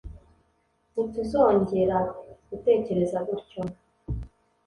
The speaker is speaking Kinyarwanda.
ntituzongera gutekereza gutyo